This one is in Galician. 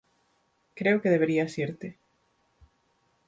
Creo que deberías irte.